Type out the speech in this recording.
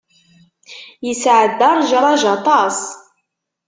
Yesɛedda ṛejṛaj aṭas.